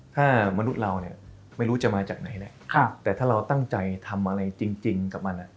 ถ้ามนุษย์เราเนี่ยไม่รู้จะมาจากไหนแล้วแต่ถ้าเราตั้งใจทำอะไรจริงกับมัน